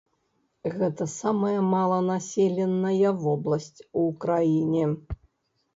Гэта самая маланаселеная вобласць у краіне.